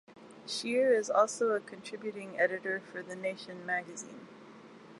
Scheer is also a contributing editor for the "Nation" magazine.